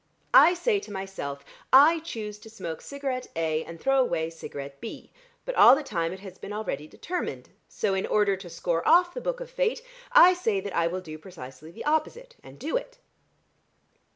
I say to myself, 'I choose to smoke cigarette A and throw away cigarette B,' but all the time it has been already determined. So in order to score off the Book of Fate, I say that I will do precisely the opposite, and do it.